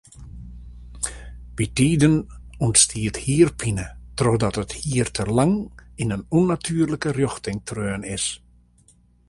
Bytiden ûntstiet hierpine trochdat it hier te lang yn in ûnnatuerlike rjochting treaun is.